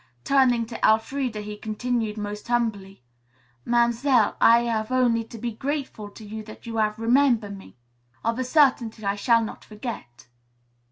Turning to Elfreda he continued almost humbly, "Mam'selle, I hav' only to be grateful to you that you hav' remember me. Of a certainty, I shall not forget."